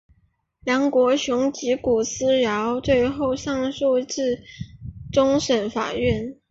梁国雄及古思尧最后上诉至终审法院。